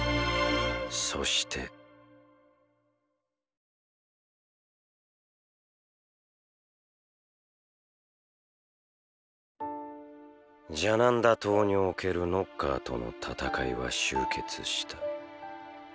そしてジャナンダ島におけるノッカーとの戦いは終結した。